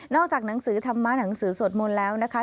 จากหนังสือธรรมะหนังสือสวดมนต์แล้วนะคะ